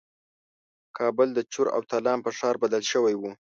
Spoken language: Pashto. کابل د چور او تالان په ښار بدل شوی وو.